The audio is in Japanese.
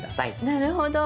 なるほど。